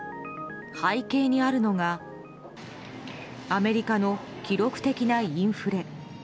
背景にあるのがアメリカの記録的なインフレ。